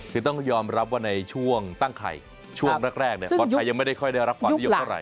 คือต้องยอมรับว่าในช่วงตั้งไข่ช่วงแรกคนไทยยังไม่ได้ค่อยได้รับความนิยมเท่าไห